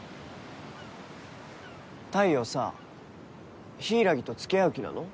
太陽さ柊と付き合う気なの？